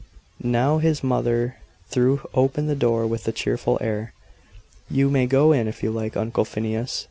Now his mother threw open the door with a cheerful air. "You may go in if you like, Uncle Phineas.